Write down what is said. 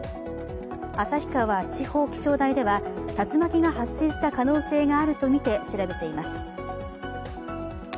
旭川地方気象台では竜巻が発生した可能性があるとして調べています。